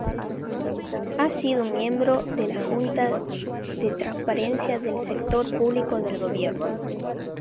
Ha sido miembro de la Junta de Transparencia del Sector Público del Gobierno.